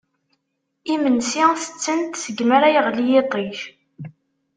Imensi tetten-t seg mi ara yeɣli yiṭij.